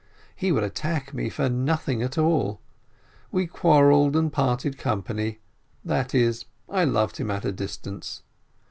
He would attack me for nothing at all, we quarrelled and parted company, that is, I loved him at a distance.